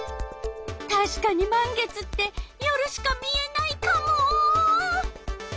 たしかに満月って夜しか見えないカモ！